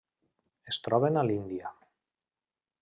Es troben a l'Índia.